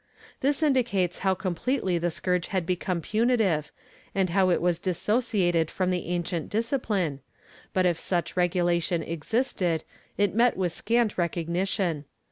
^ This indicates how completely the scourge had become punitive and how it was dissociated from the ancient discipline, but if such regulation existed it met with scant recog nition.